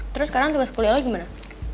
terus sekarang tugas kuliah lo gimana